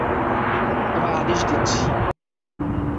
তোমায় আদেশ দিচ্ছি!